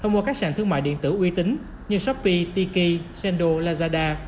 thông qua các sàn thương mại điện tử uy tín như shopee tiki sendo lazada